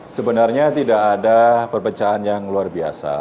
sebenarnya tidak ada perpecahan yang luar biasa